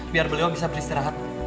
biar beliau bisa beristirahat